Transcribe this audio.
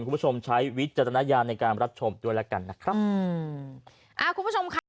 คุณผู้ชมใช้วิจารณญาในการรับชมด้วยแล้วกันนะครับ